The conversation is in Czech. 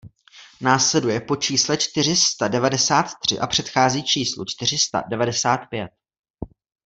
Následuje po čísle čtyři sta devadesát tři a předchází číslu čtyři sta devadesát pět.